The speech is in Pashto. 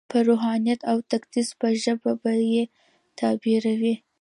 په روحانیت او تقدس په ژبه به یې تعبیروي.